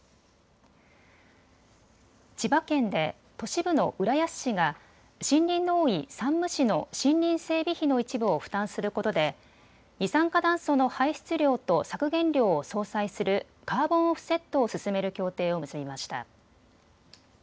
千葉県で都市部の浦安市が森林の多い山武市の森林整備費の一部を負担することで二酸化炭素の排出量と削減量を相殺するカーボンオフセットを進める協定を結びました。